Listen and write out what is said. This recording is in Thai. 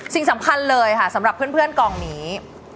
สิ่งสำคัญเลยค่ะสำหรับเพื่อนกองนี้